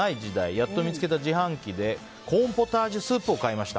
やっと見つけた自販機でコーンポタージュスープを買いました。